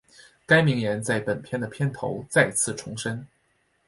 该名言在本片的片头再次重申。